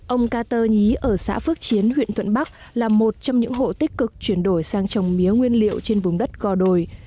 ông ca tơ nhí ở xã phước chiến huyện thuận bắc là một trong những hộ tích cực chuyển đổi sang trồng mía nguyên liệu trên vùng đất gò đồi